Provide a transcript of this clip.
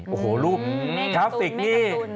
โอ้โหรูปกราฟิกนี่